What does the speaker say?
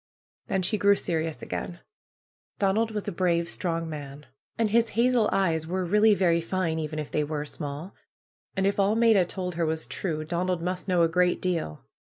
Then she grew serious again. Donald was a brave, strong man. And his hazel eyes 200 PRUE'S GARDENER were really very fine, even if they were small. And if all Maida told her was true, Donald must know a gr^t deal.